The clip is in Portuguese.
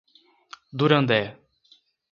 Durandé